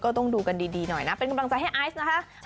ต้องดูกันดีหน่อยนะเป็นกำลังใจให้ไอซ์นะคะ